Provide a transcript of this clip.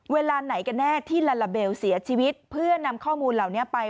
เวลาไหนกันแน่ที่ลาลาเบลเสียชีวิตเพื่อนำข้อมูลเหล่านี้ไป